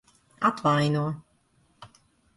Atvaino.